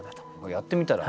やってみたら？